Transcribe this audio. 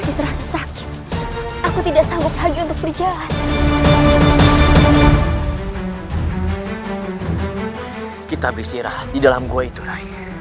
sepertinya gua ini dilapisi oleh mantra